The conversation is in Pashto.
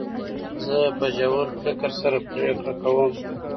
زه په ژور فکر سره پرېکړي کوم.